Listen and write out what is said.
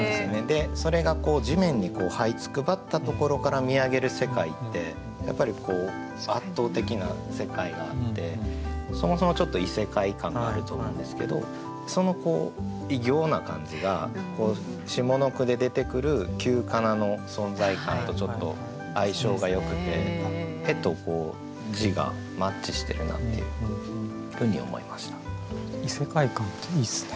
それが地面にはいつくばったところから見上げる世界ってやっぱりこう圧倒的な世界があってそもそもちょっと異世界感があると思うんですけどその異形な感じが下の句で出てくる旧仮名の存在感とちょっと相性がよくて絵と字がマッチしてるなっていうふうに思いました。